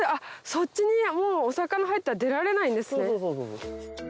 そっちにお魚入ったら出られないんですね。